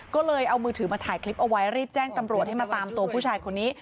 ก็เลยเอามือถือมาถ่ายคลิปเอาไว้รีบแจ้งตำรวจให้มาตามตัวผู้ชายคนนี้